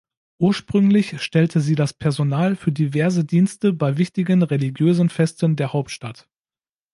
Ursprünglich stellte sie das Personal für diverse Dienste bei wichtigen religiösen Festen der Hauptstadt.